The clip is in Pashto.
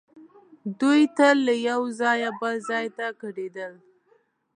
دوی تل له یو ځایه بل ځای ته کډېدل.